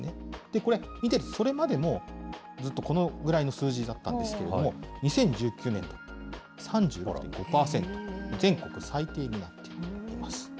これ、それまでも、ずっとこのぐらいの数字だったんですけども、２０１９年度、３６．５％、全国最低になっています。